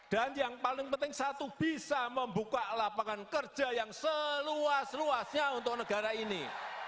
dan yang paling penting satu bisa membuka lapangan kerja yang seluas luasnya untuk negara ini